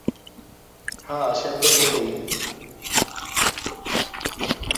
হাঁ, সে তো বটেই।